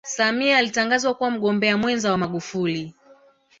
samia alitangazwa kuwa mgombea mwenza wa magufuli